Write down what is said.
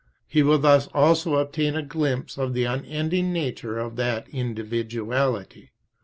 He will thus also obtain a glimpse of the unending nature of that individuality.